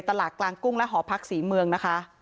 ตลาดกลางกุ้งและหอพักศรีเมืองนะคะ